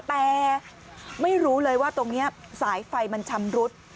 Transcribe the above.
แต่ไม่รู้เลยว่าตรงนี้สายไฟมันชำรุด